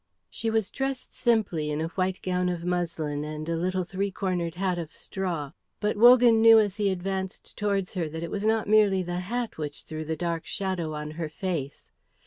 She was dressed simply in a white gown of muslin and a little three cornered hat of straw; but Wogan knew as he advanced towards her that it was not merely the hat which threw the dark shadow on her face.